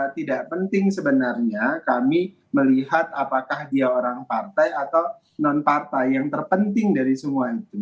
tidak penting sebenarnya kami melihat apakah dia orang partai atau non partai yang terpenting dari semua itu